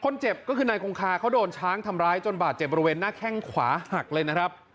คนเจ็บก็คือนายคงคาเขาโดนช้างทำร้ายจนบาดเจ็บบริเวณหน้าแข้งขวาหักเลยนะครับ